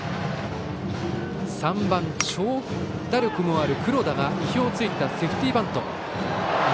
３番、長打力のある黒田が意表を突いたセーフティーバント。